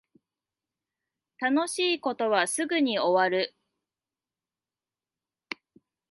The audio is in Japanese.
楽しい事はすぐに終わる